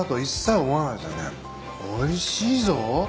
おいしいぞ。